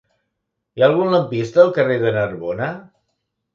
Hi ha algun lampista al carrer de Narbona?